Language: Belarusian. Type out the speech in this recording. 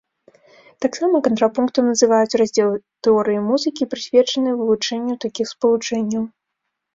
Таксама кантрапунктам называюць раздзел тэорыі музыкі, прысвечаны вывучэнню такіх спалучэнняў.